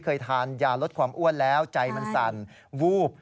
เคยทานยาลดความอ้วนแล้วใจมันสั่นวูบ